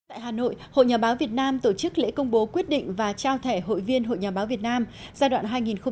tại hà nội hội nhà báo việt nam tổ chức lễ công bố quyết định và trao thẻ hội viên hội nhà báo việt nam giai đoạn hai nghìn một mươi sáu hai nghìn hai mươi